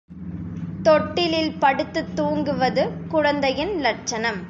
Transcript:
தொட்டிலில் படுத்துத் தூங்குவது குழந்தையின் லட்சணம்.